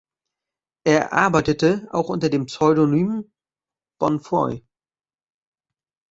Er arbeitete auch unter dem Pseudonym "Bonnefoy".